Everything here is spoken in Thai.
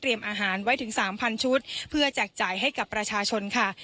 เตรียมอาหารไว้ถึงสามพันชุดเพื่อแจกจ่ายให้กับประชาชนค่ะ